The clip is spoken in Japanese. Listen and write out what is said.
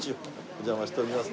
お邪魔しております